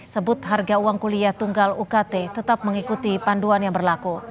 sebut harga uang kuliah tunggal ukt tetap mengikuti panduan yang berlaku